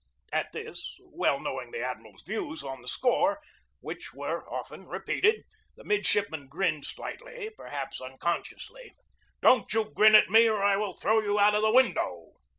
At this, well knowing the admiral's views on the score, which were often repeated, the midshipman grinned slightly, perhaps unconsciously. "Don't you grin at me or I will throw you out of the window!"